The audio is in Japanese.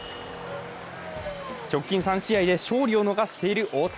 直近３試合で勝利を逃している大谷。